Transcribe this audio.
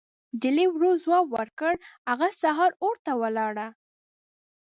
نجلۍ ورو ځواب ورکړ: هغه سهار اور ته ولاړه.